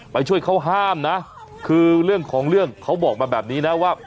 ไปช่วยเขาห้ามนะคือเรื่องของเรื่องเขาบอกมาแบบนี้นะว่า